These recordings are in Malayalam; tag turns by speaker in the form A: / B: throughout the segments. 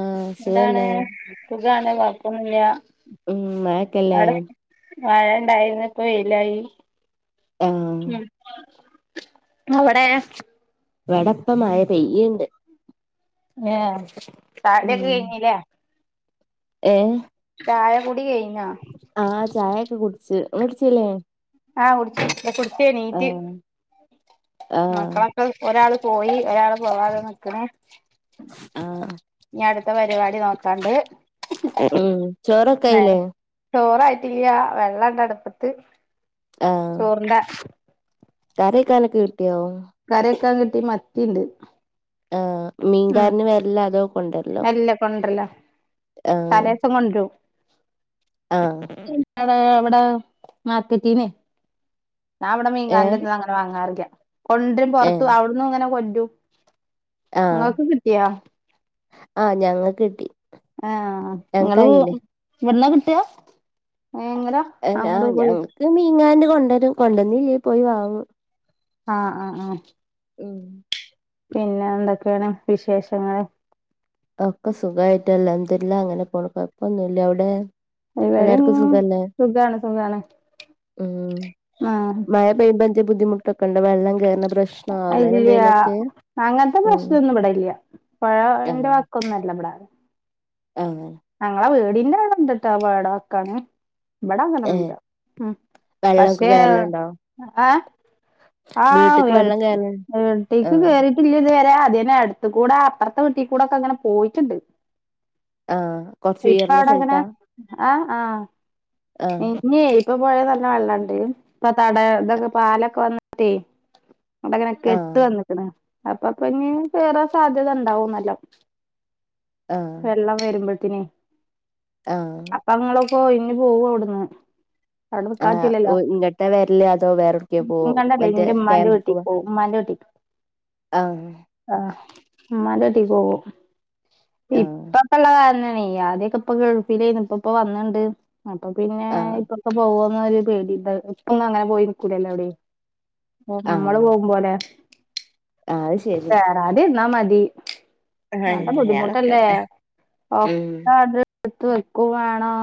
A: ആഹ്
B: എന്താണ്
A: സുഖല്ലേ
B: സുഖാണ് കൊഴപ്പൊന്നില്ല
A: ഉം മഴക്കല്ലേ
B: അവിടെ മഴണ്ടായിരുന്നു ഇപ്പൊ വയിലായി.
A: ആഹ്
B: ഇങ്ങളാടെ
A: ഇവിടപ്പോ മഴ പെയ്യീണ്ട്.
B: ങ്ങേ
A: ഉം
B: ചായുടിയൊക്കെ കയ്ഞ്ഞിലെ
A: ഏഹ്
B: ചായ കുടി കൈഞ്ഞാ
A: ആഹ് ചായൊക്കെ കുടിച്ച് ഒടിച്ചല്ലേ.
B: ആഹ് കുട്ച്ച്, കുടിച്ചെണീറ്റ്.
A: ആഹ് ആഹ്
B: മക്കളൊക്കെ ഒരാൾ പോയി ഒരാൾ. പോവാതെ നക്കണ
A: ആഹ്
B: അടുത്ത പരിപാടി നോക്കാണ്ട്
A: ഉം ചോറൊക്കയിലെ.
B: നേരം ചോറായിട്ടില്ല വെള്ളണ്ടടുപ്പത്ത് ചോറിണ്ടാ
A: കറി വെക്കാനൊക്കെ കിട്ട്യോ
B: കറിക്കാൻ കിട്ടി മത്തിണ്ട്
A: ആഹ്
B: ഉം
A: മീൻകാരന് വരലാ അതോ കൊണ്ടരലോ
B: അല്ല കൊണ്ടർലാ
A: ആഹ്
B: തലേ ഇപ്പൊ കൊണ്ട്രും
A: ആഹ്
B: എവടെ ഇവിടെ മാർക്കറ്റീന്ന് ഞാൻ ഇവിടെ മീൻകാരന്റെ
A: ഏഹ്
B: എടുത്ത്ന്ന് അങ്ങനെ വാങ്ങാറില്ല കൊണ്ടരും പൊറത്തു
A: ഏഹ്
B: അവിടന്നും അങ്ങനെ കൊല്ലും.
A: ആഹ് ആ ഞങ്ങക്ക് കിട്ടി
B: ആ നിങ്ങള്
A: ഞങ്ങക്കായില്ലേ
B: ഇവിട്ന്നാ കിട്ടുകാ [unintelligible]
A: ഏ ഞാൻ ഞങ്ങക്ക് മീൻകാരന്റെ കൊണ്ട് വരും കൊണ്ടുവന്നില്ലെ പോയി വാങ്ങും.
B: ആഹ് ആഹ് ആഹ്
A: ഉം.
B: പിന്നെ എന്തൊക്കെയാണ് വിശേഷങ്ങൾ
A: ഒക്കെ സുഖവായിട്ട് അല്ഹംദു ലില്ലഹ് അങ്ങനെ പോണ് കൊഴപ്പൊന്നില്ല അവിടെ.
B: ഇവിടെയും
A: എല്ലാർക്കും സുഖല്ലേ
B: സുഖാണ് സുഖാണ്
A: ഉം
B: ആഹ്
A: മഴ പെയ്യുമ്പോ ബുദ്ധിമുട്ടൊക്കെ ഉണ്ട് വെള്ളം കേറണ പ്രശ്നോ അങ്ങനെ എന്തേലൊക്കെ ഉം.
B: ഇവടെല്ലല്ല പഴന്റെ
A: ആഹ്
B: വാക്കൊന്നും അല്ല ഇബടെ
A: ആഹ്
B: ഞങ്ങളെ വീടിന്റെ അവിടെ ഉണ്ട്ട്ടോ വേടവക്കാന്. ഇവട
A: ഏഹ്
B: അങ്ങനൊന്നൂല്ലാ
A: വെള്ളൊക്കെ
B: പക്ഷേ
A: കേറലുണ്ടോ
B: ആഹ് ആഹ്
A: വീട്ട്ക്ക് വെള്ളം
B: [unintelligible]
A: കേറല്
B: വീട്ടിക്ക്
A: ആഹ്
B: കേറി. ട്ടില്ല്യ ഇതുവരെ അത് തന്നെ അടുത്ത് കൂടെ അപ്പറത്തെ വീട്ടിക്കൂടെ ഒക്കെ ഇങ്ങനെ പോയിട്ടുണ്ട്.
A: ആഹ് കൊറച്ച്
B: ഇപ്പ
A: ഉയർന്ന
B: അവിടെ അങ്ങനെ
A: സ്ഥലത്താ
B: ആ ആഹ്
A: ആഹ്
B: [unintelligible] ഇപ്പൊ പോഴേ നല്ല വെള്ളണ്ട് ഇപ്പൊ തട ഇതൊക്കെ പാലൊക്കെ വന്നിട്ടേ അവിടങ്ങനെ
A: ആഹ്
B: കെട്ട് വന്ന്ക്കണ്‌ അപ്പ പിന്നെ വേറെ സാധ്യത ഉണ്ടാവുംന്നാലും.
A: ആഹ്
B: വെള്ളം വരുമ്പത്തിനെ
A: ആഹ്
B: പ്പങ്ങളൊക്ക ഒഴിഞ്ഞ് പോവട്ന്ന് അതൊണ്ട നിക്കാൻ
A: ആഹ് ഓ
B: പറ്റില്ലല്ലോ
A: ഇങ്ങട്ടാ വരല് അതോ വേറെവ്ട്ക്കേ പോവോ മറ്റേ
B: എന്റെ ഉമ്മാന്റെ
A: ക്യാമ്പ്ക്ക്
B: വീട്ടിൽ
A: പോ
B: പോവും ഉമ്മാന്റെ വീട്ടിക്ക്.
A: ആഹ്
B: ആഹ് ഇമ്മാൻ്റെ കുടി പോവും
A: ആഹ്
B: ഇപ്പം പ്പുള്ള കാരണം ആണേ ആദ്യം ഒക്കെ ഇപ്പ ഗൾഫിൽ ആയിനൂ ഇപ്പം ഇപ്പ വന്നിണ്ട് അപ്പൊ പിന്നെ
A: ആഹ്
B: ഇപ്പൊക്കെ പോവോന്നൊരു പേടി ണ്ടായി ഇപ്പൊന്ന് അങ്ങനെ പോയി നിക്കൂലാല്ലോ എവിടെ ഓ
A: ആഹ്
B: നമ്മള് പോകുമ്പ പോലെ
A: ആഹ് അത് ശരി
B: വെരാതിരുന്ന മതി നല്ല
A: അള്ളാ
B: ബുദ്ധിമുട്ടല്ലേ.
A: കാക്കട്ടെ ഉം
B: ഒക്കെ അത് എടുത്ത് വെക്കും വേണോ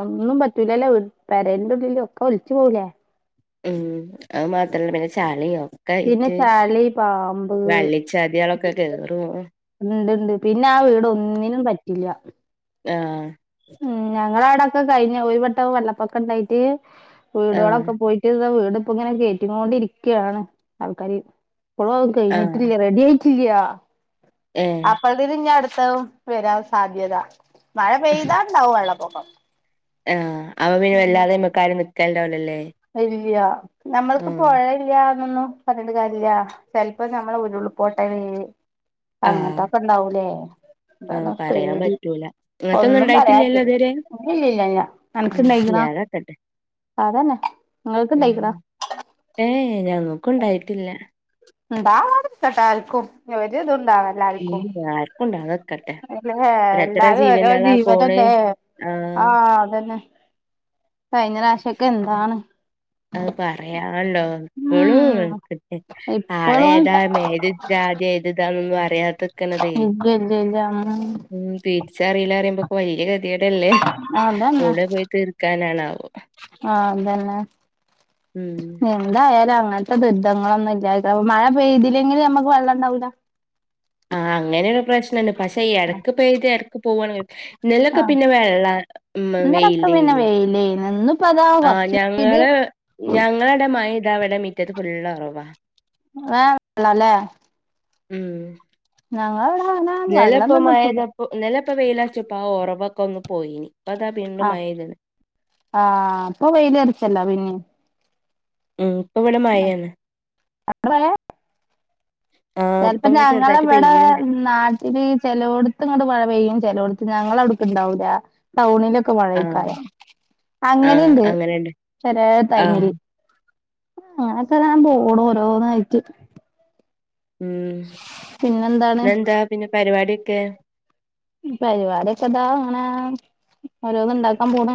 B: ഒന്നിനും പറ്റൂലല്ലേ പെരേൻ്റെ ഉള്ളില് ഒക്കെ ഒലിച്ച് പോകൂലേ
A: ഉം അത് മാത്രല്ല പിന്നെ ചളിയും ഒക്കെ
B: പിന്നെ
A: ആയിട്ട്
B: ചളി പാമ്പ്
A: വള്ളി ജാതികളൊക്കെ കേറുവോ.
B: ഇണ്ടിണ്ട് പിന്നെ ആ വീട് ഒന്നിനും പറ്റില്ലാ
A: ആഹ്.
B: ഉം ഞങ്ങടെ അവിടൊക്കെ കഴിഞ്ഞ് ഒരു വട്ടം വെള്ളപ്പൊക്കം ഉണ്ടായിട്ട്
A: ആഹ്
B: വീടുകളൊക്കെ പോയി [unintelligible] ഇതാ വീടിപ്പം ഇങ്ങനെ കയറ്റി കോണ്ടിരിക്കയാണ് ആൾക്കാർ ഇപ്പോളും അത്
A: ആഹ്
B: കഴിഞ്ഞിട്ടില്ല റെഡി ആയി ഇല്യാ
A: ഏഹ്
B: അപ്പഴ്ത്ത്ന് നട്ത്തതും വരാൻ സാധ്യത മഴ പെയ്താ ണ്ടാവും വെള്ളപ്പൊക്കം
A: ആ അപ്പ പിന്നെ
B: ഉം
A: വല്ലാതെ അയ്മെക് ആരും നിക്കണ്ടാവില്ലല്ലേ.
B: [unintelligible] നമ്മൾക്ക് പൊഴ ല്ലന്നൊന്നും പറഞ്ഞിട്ട് കാര്ല്ല ചിലപ്പോ നമ്മള് ഉരുൾപൊട്ട
A: ആഹ്
B: അങ്ങനത്തൊക്കെ ഉണ്ടാവൂലേ
A: ആഹ്
B: അതാണ്
A: പറയാൻ
B: പേടി
A: പറ്റൂല ഇങ്ങത്തൊന്നും
B: ഒന്നും
A: ഉണ്ടായിട്ടില്ലല്ലോ
B: പറയാറ്റില്ല
A: ഇതുവരെ
B: ഇല്ലില്ലല്ല അനക്ക്
A: ഉം
B: നെയ്റാം.
A: [unintelligible]
B: അതന്നെ
A: എ
B: ഇണ്ടായിക്കണോ
A: ഏ ഏ ഞങ്ങക്കുണ്ടായിട്ടില്ലാ
B: [unintelligible] ഒരിതും ഉണ്ടാവാൻ.
A: ഉം ആർക്ക് ഉണ്ടാ അത് വെക്ക
B: അല്ലേ
A: എത്ര എത്ര
B: എല്ലാരും ഓരോ
A: ജീവനളാ പോണ് ആഹ്
B: ആ അതന്നെ കഴിഞ്ഞ പ്രാവശ്യ ഒക്കെ എന്താണ്.
A: അത് പറയാണ്ടോ എപ്പഴും
B: ഉം ഇപ്പളും
A: ആളേതാ മേര് ജാതി എഴുതാനൊന്നും അറിയാതിക്കണതേ
B: ഇല്ലില്ലാ [unintelligible]
A: ഉം തിരിച്ചറിയില്ല അറിയുമ്പോ പൊയ്‌കെ ടല്ലേ
B: അതന്നെ
A: പുഴെ പോയി ഇരിക്കാനാണാവോ
B: ആഹ് അതന്നെ
A: ഉം [inaudible]
B: എന്തായാലും അങ്ങനത്തെ ദുരിതങ്ങളൊന്നും ഇല്ലായിരിക്ക മഴ പെയ്തില്ലെങ്കി നമ്മക്ക് വെള്ളം ഇണ്ടാവൂലാ
A: ആ അങ്ങനെയൊരു പ്രശ്നുണ്ട് പക്ഷെ എടക്ക് പെയ്ത് എടക്ക് പോവാണ് ഇന്നലൊക്കെ
B: ആഹ്
A: പിന്നെ വെള്ള ഉമ്മ വെയ്ലയ്നീ
B: ഇലേ ഇന്ന് പത
A: ആഹ് ഞങ്ങള് ഞങ്ങളവടെ ഇതാവിടെ മിറ്റത് ഫുള്ള് ഉറവാ
B: [inaudible] ള്ളാല്ലേ.
A: ഉം
B: ഞങ്ങളവിടെ അങ്ങനെ വെള്ളം ഒന്നും കിട്ടൂല
A: ഇന്നലെ ഇപ്പ വെയിലടിച്ചപ്പോ ആ ഉറവൊക്കെ ഒന്ന് പോയിനീ ഇപ്പ അതാ വീണ്ടും
B: ആഹ്
A: മഴ പെയുത്ണ്
B: ആഹ് അപ്പൊ വെയില് തെറിച്ചല്ല പിന്നെ
A: ഉം ഇപ്പൊ ഇവിടെ മഴയാണ്
B: മക്കളല്ലേ
A: ആഹ്.
B: ചെലപ്പം
A: ഇപ്പങ്ങനെ
B: ഞങ്ങള്
A: ചെറുതായിട്ട്
B: ഇവിടെ
A: പെയ്യ്ണ്ട്.
B: ഉം. നാട്ടിൽ ചെലോടത്ത് ഇങ്ങട്ട് മഴ പെയ്യും ചെലോടത്ത് ഞങ്ങളെ അവിടുക്കെ ഇണ്ടാവൂല ടൗണിലൊക്കെ
A: ആഹ്.
B: മഴേക്കാരം
A: ആഹ്.
B: അങ്ങനെണ്ട്
A: അങ്ങനെണ്ട്.
B: ചെലേ
A: ആഹ്.
B: ടൈമില് [unintelligible] ഓരോന്നായിട്ട്.
A: ഉം
B: പിന്നെന്താണ്
A: പിന്നെന്താ പിന്നെ പരിപാടിയൊക്കെ
B: പരിപാടിയൊക്കെ ദാ ഇങ്ങനെ ഓരോന്ന് ഇണ്ടാക്കാൻ പോണ്.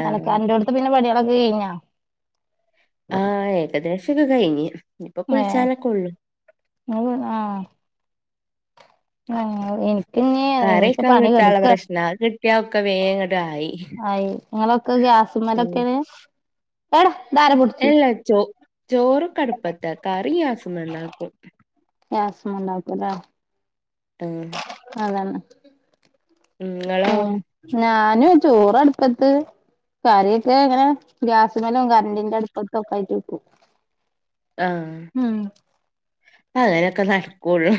A: ആഹ്.
B: അലക്കാന്റെടുത്ത് പിന്നെ പണികളൊക്കെ കഴിഞ്ഞാ.
A: ആഹ് ഏകദേശൊക്കെ കഴിഞ്ഞ് ഇപ്പൊ കുളിച്ചാനൊക്കെ ഉള്ളൂ
B: ഇങ്ങ് ആ. ആഹ് എനി പിന്നേ എനിക്ക്
A: കറിവെക്കാൻ
B: പണി
A: കിട്ടാള്ള
B: കെടുക്കാ
A: പ്രശ്നാ. അത് കിട്ടിയാ ഒക്കെ വേങ്ങട്ട് ആയി.
B: ആയി നിങ്ങളൊക്കെ ഗ്യാസിമലൊക്കേണ് ഏടാ ആര
A: അല്ല ചോ ചോറ് കടുപ്പത്ത് കറി ഗ്യാസ്മ്മേ ഉണ്ടാക്കും.
B: ഗാസ്മണ്ടാക്കല്ലെ
A: [inaudible]
B: അതന്നെ.
A: ഇങ്ങളോ
B: ഉം ഞാനും ചോറടുപ്പത്ത് കറിയൊക്കെ ഇങ്ങനെ ഗ്യാസുമലും കറണ്ടിന്റെ അടുപ്പത്തൊക്കെ ആയിട്ട് വെക്കും
A: ആഹ്
B: ഉം
A: അങ്ങനെയൊക്കെ നടക്കോളൂ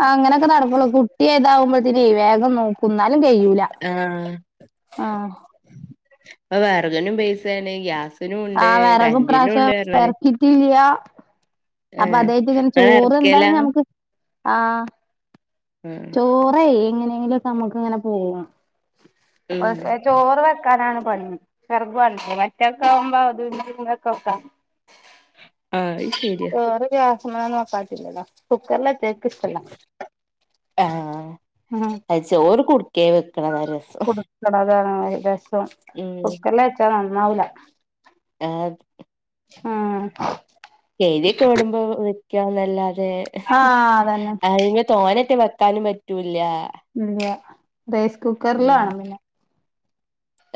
B: ആ അങ്ങനൊക്കെ നടക്കുള്ളൂ കുട്ടി ഏതാവുമ്പോഴത്തിനെ വേഗം നോ തിന്നാലും കയ്യും
A: ആഹ് ഇപ്പ വെറകിനും പൈസേണ് ഗ്യാസ്
B: ആ വെറകും ഇപ്രാവശ്യം ഇറക്കീട്ട് ഇല്ല അപ്പൊ
A: ഏഹ്.
B: അതായത് ഇങ്ങനെ ചോറ്
A: ഇങ്ങളെറക്കലാ?
B: എന്തായാലും ഞമ്മക്ക് ആ
A: ആഹ്.
B: ചോറേ എങ്ങനെയങ്കിലുംക്കെ നമുക്ക് ഇങ്ങനെ പോക
A: ഉം
B: ചോറ് വെക്കാനാണ് പണി വെറക് വേണ്ടേ മറ്റൊക്കെ ആവുമ്പോ അതൊക്കെ വെക്ക
A: അത് ശരിയാ
B: ചോറ് ഗ്യാസ് മലെന്നും വക്കാൻ പറ്റൂല ടാ കുക്കറ്ൽ വെച്ചാ ൻക്ക് ഇഷ്ടല്ല
A: ആഹ്
B: ഉം
A: ചോർ കുടുക്കേ വെക്കണത രസം
B: കൊടുക്കണതാണ് ഏകദേശം
A: ഉം
B: കുക്കറിൽ വെച്ചാ നന്നാവൂല
A: ആഡ്
B: ആഹ്
A: എഴ്തിയൊക്കെ ഓടുമ്പോ വെക്കാന്നല്ലാതെ
B: ആഹ് അതന്നെ
A: അയ് തോനെട്ട് വെക്കാനും പറ്റൂല
B: ഇല്ല റൈസ് കുക്കറില ആവണം പിന്നെ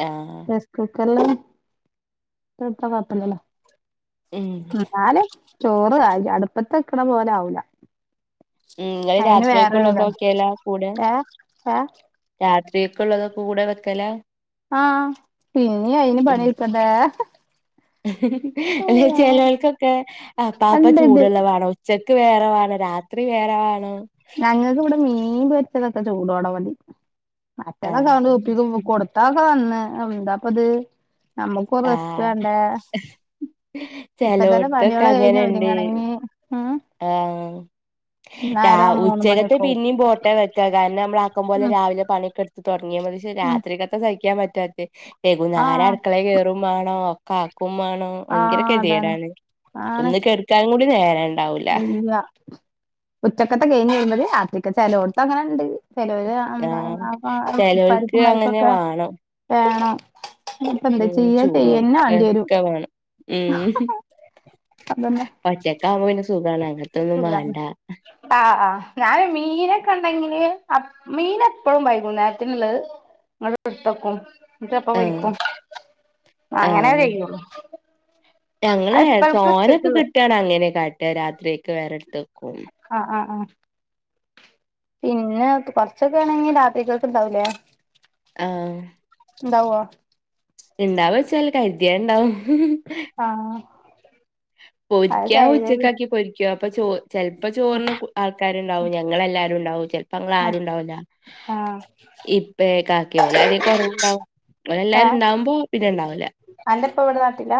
A: ആഹ്
B: കുക്കറില് ഇട്ട് വെച്ച കുഴപ്പ ഇല്ലല്ലോ
A: ഉം
B: എന്നാലും ചോറ് ആയി അടുപ്പത്തെക്കണ പോലെ ആവൂല
A: ഉം ങൾ
B: അയിന് വേറൊരിതാ
A: രാത്രിയക്കുള്ളൊക്കെ വെക്കലാ കൂടെ
B: ഏഹ് ഏഹ്
A: രാത്രിയൊക്കെ ഉള്ളതൊക്കെ കൂടെ വെക്കല
B: ആഹ് പിന്നീ അയിന് പണിട്ക്കണ്ടേ
A: ഹ് ഹ് ചിലോര്ക്കൊക്കെ അപ്പാ അപ്പ
B: ഉണ്ട്
A: ചൂടുള്ള വേണം ഉച്ചെക്ക് വേറെവേണം രാത്രി വേറെ വേണം
B: ഞങ്ങൾക്ക് ഇവിടെ മീൻ പൊരിച്ചതൊക്കെ ചൂടോട മതി മറ്റേത്
A: ആഹ്
B: ന്നൊക്കെണ്ട് കൊടുത്താ കാന്ന് എന്താപ്പത് നമ്മുക്കും റെസ്റ്റ്
A: ആഹ്
B: വേണ്ടേ ഇപ്പ തന്നെ
A: ചെലോട്ത്തൊക്കെ
B: പണികള് കഴിഞ്ഞു ഒരുങ്ങണകി ഉം
A: ആ
B: നേര മൂന്ന്
A: ഉച്ചകത്തെ
B: മണിയൊക്കെ ആവും
A: പിന്നെയും പോട്ടെ വെക്കാ കാരണം നമ്മൾ ആക്ക പോലെ
B: ഉം
A: രാ ാവെ പണികെടുത്ത് തുടങ്ങിയ
B: ഉം
A: രാത്രിക്കകത്ത സഹിക്കാൻ പറ്റാതെ വകുനേരം
B: ആഹ്
A: അടുക്കളെ കേയറും മാണോ ഒകെ ആക്കുംമാണോ ഭയങ്കര
B: ആഹ് അതാണ്
A: കെതികെടാണ്
B: ആണ്
A: ഒന്ന് കെടുക്കാനും കൂടി നേര
B: ഇല്ല ഉച്ചക്കത്തെ കയിഞ്ഞു വരുമ്പഴ് രാത്രിക്കത്തെ ചെലോടത്ത് അങ്ങനുണ്ട് ചെലോല്
A: ആഹ്
B: അമ്മായിമാര്ക്കാ
A: ചെലോൽക്ക്
B: പരിപ്പും
A: അങ്ങനെ
B: പരിപ്പൊക്കെ
A: വാണം
B: വേണം അപ്പ എന്താ
A: ഉം
B: ചെയ്യ ചെയ്യന്ന ആണ്ടി വരും
A: ചൂടോട്ക്കക്കെ വാണം ഉം ഒറ്റക്കാവുമ്പോ പിന്നെ സുഖമാണ്
B: സുഖണ് ആഹ് ആഹ് ഞാന് മീനൊക്കെ ഉണ്ടെങ്കില് മീൻ എപ്പഴും വൈകുന്നേരത്തിനുള്ളത് ഇങ്ങ എടുത്തക്കും ഇപ്പം
A: ആഹ്
B: പോരികും അങ്ങനെ
A: ആഹ്
B: ചെയ്യുള്ളൂ
A: ഞങ്ങള്
B: അത് ഇപ്പൾക്ക്
A: തോനൊക്കെ
B: ഉച്ചക്കുള്ളത്
A: കിട്ടുകാണ് അങ്ങനെ കാട്ട രാത്രിക്ക് വേറെ എടുത്ത് വെക്കും
B: ആഹ് ആഹ് ആഹ് പിന്നെ കൊറച്ചൊക്കെ ആണെങ്കിൽ രാത്രികൽത് ഉണ്ടാവൂല്ലേ
A: ആഹ്
B: ഇണ്ടാവോ
A: ഇണ്ടാവോച്ചല് കരുതിയാ ഇണ്ടാവും
B: ആഹ് അത്
A: പൊരിക്കാ
B: കഴ
A: ഉച്ചക്ക ആക്കി പൊരിക്ക അപ്പൊ ചോ ചെൽപ്പം ചോറ്‌ന് ആൾക്കാര്ണ്ടാവും ഞങ്ങളല്ലാരു ണ്ടാവും ചെൽപ്പോ ങ്ങളാരൂ
B: ആഹ്
A: ണ്ടാവുല്ല
B: ആഹ്
A: ഇപ്പേ കാക്ക ഓല് ആരേലും കൊറവുണ്ടാവും ഓല് എല്ലാരും ഉണ്ടാവുമ്പോ പിന്നെ ഉണ്ടാവൂല
B: അന്റെ ഇപ്പ ഇവിടെ നാട്ടിലാ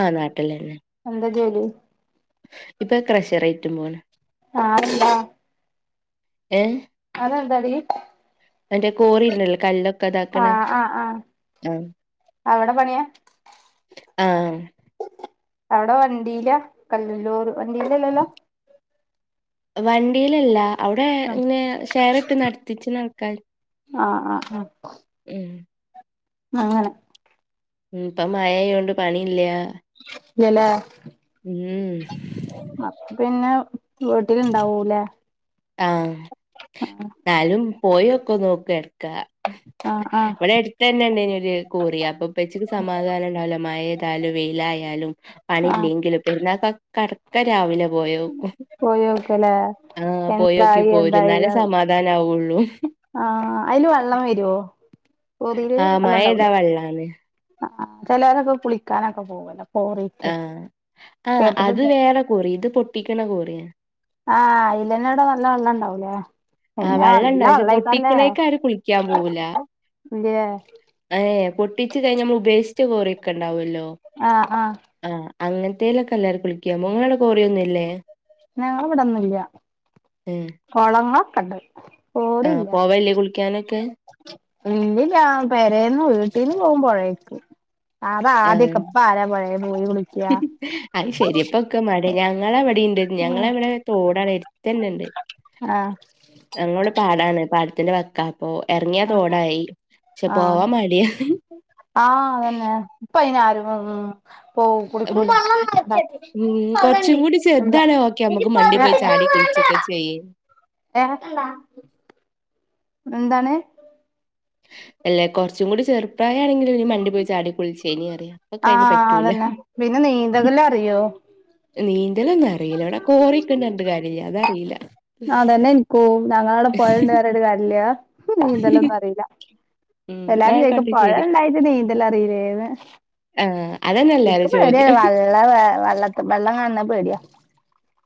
A: ആഹ് നാട്ടിൽ തന്നെ
B: എന്താ ജോലി
A: ഇപ്പൊ കരശ്ശേറ ഇറ്റും പോണ്
B: ആഹ് അതെന്താ
A: ഏഹ
B: അതെന്താടി
A: എന്റെ കോറില്ലല്ലോ കല്ല
B: ആഹ് ആഹ് ആ അവിടെ പണിയാ
A: ആഹ്
B: അവിടെ വണ്ടീയിലാ കല്ലല്ലൂർ വണ്ടിയിലല്ലല്ലോ
A: വണ്ടിയിലല്ല അവിടെ ഇങ്ങനെ ഷെയർ ഇട്ട് നടത്തിച്ച് ണ ആൾക്കാര്
B: ആഹ് ആഹ് ആഹ്
A: ഉം
B: അങ്ങനെ
A: ഉം ഇപ്പം മഴായൊണ്ട് പണി ഇല്ല
B: ഇല്ല ലേ
A: ഉം
B: അപ്പ പിന്നെ വീട്ടില് ഇണ്ടാവൂലേ
A: ആഹ് ന്നാലും പോയൊക്കെ നോക്കി എടുക്ക
B: ആഹ് ആഹ്
A: ഇവടെ തന്നെ ഉണ്ട ഇന ഒരു കോറിയ അപ്പൊ ഉപ്പച്ചിക്ക് സമാധാനം ഉണ്ടാവല്ലോ മഴയത്തായാലും വെയിലായാലും പണി
B: ആഹ്
A: ഇല്ലെങ്കിലും പിന്നെ ക കട് ഇക്ക രാവിലെ പോയോക്കും
B: പോയോക്കല്ലേ
A: ആഹ് പോയോക്കി
B: എന്തായി എന്തായി
A: പോയിരുന്നാല് സമാ സമാധാന ആവൊള്ളൂ
B: ആഹ് അതില് വെള്ളം വരൊ കോറീൽ
A: ആഹ്
B: വെള്ളം
A: മഴെയ്താ
B: ഇണ്ടാവൂല്ലേ
A: വെള്ളാണ്
B: ആ ചിലരൊക്കെ കുളിക്കാനൊക്കെ പോകല
A: ആഹ് അത് വേറെ കോറി ഇത് പൊട്ടിക്കണ കോറിയാ
B: ആഹ ഇലനോട നല്ല വെള്ളം ഉണ്ടാവൂല്ലേ
A: ആഹ് വള്ളം ണ്ട് ക്ഷേ പൊട്ടിക്ക്ണേക്ക് ആരു കുളിക്കാൻ പോവൂല
B: ഇല്ലേ
A: ഏഹ് പൊട്ടിച്ച് കഴിഞ്ഞ നമ്മൾ ഉപേക്ഷിച്ച കോറിയൊക്കെ ഉണ്ടാവുമല്ലോ
B: ആഹ് ആഹ്
A: ആഹ് അങ്ങനത്തേലൊക്കെ എല്ലാവരും കുളിക്കാ മുങ്ങാനുള്ള കോറിയൊന്നും ഇല്ലേ
B: ഞങ്ങള ഇവിടന്നില്ല
A: ഏഹ്
B: കോളങ്ങളൊ ക്കണ്ട്
A: ആഹ് പോ വെല്ലേ കുളിക്കാനൊക്കെ
B: ഇല്ല ഞ പേരന്ന് വീട്ടീന്ന് പോവും പുഴേക്ക് അതാ
A: ആഹ്.
B: ആദ്യക്കേ ഇപ്പ ആരാ പോഴേ പോയികുളി
A: അത് ശരിയപ്പൊക്കെ മര ഞങ്ങള ഇ വിടെുണ്ട് ഞങ്ങളവിടെ തോടാണ് എട്ത്തന്നെണ്ട്
B: ആഹ്
A: ഞങ്ങടെ പാടാണ് പാടത്തിന്റെ വക്കാ അപ്പൊ ഇറങ്ങിയാ
B: ആഹ്
A: തോടായി പക്ഷെ പോവാൻ മടിയ
B: ആഹ അതന്നെ ഇപ്പ അയിന് ആരും ഉ പോവും കുടികൂല
A: ഉം കൊറച്ചും കൂടി ഇത് ഇപ്പ ചെയ്യ്
B: [unintelligible] എന്താണ്
A: അല്ല കുറച്ചും കൂടി ചെറുപ്രായ ആണെങ്കില് പിന്നി മണ്ടി പോയി ചാടി കൂൾച്ചേ നി അറിയ
B: ആഹ് അതന്നെ പിന്നെ നീന്തകല അറിയോ
A: നീന്തലൊന്നും അറിയില്ല ഇവിടെ കോറി ഒക്കണ്ട് റിഞ്ഞിട്ട് കാര്യല്ല അതറില്ല
B: ആതന്നെ എനിക്കും ഞങ്ങളവിടെ പുഴ ഉണ്ടന്ന് പറഞ്ഞട്ട് കാര്യല്ല ഇക്ക് നീന്തല ഒന്നും അറിയില്ല
A: ഉം ന്നാ
B: എല്ലാരും ചോയിക്കും
A: ആയിക്കോട്ടെ
B: പൊഴ
A: ശരി.
B: ഇണ്ടായിട്ട് നീന്തല അറിയില്ലേന്ന്
A: ആഹ് അത്
B: ഇക്ക് പേടിയ വള്ള വള്ള ത്ത്‌ വെള്ളം കാൺണേ പേടിയാ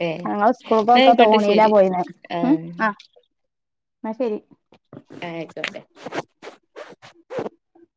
A: ഏഹ്
B: ഞങ്ങള്
A: ന്നാ
B: സ്കൂള്ക്കൊക്കെ
A: ആയിക്കോട്ടെ
B: തോണീലാ
A: ശരി.
B: പോയിന്നെ ഉം ആഹ് എന്ന ശരി
A: ആ ആയിക്കോട്ടെ